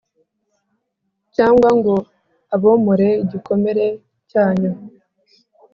cyangwa ngo abomore igikomere cyanyu.